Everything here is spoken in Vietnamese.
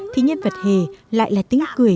thì nhân vật hề lại là tính cười